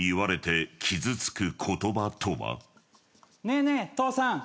ねえねえ父さん。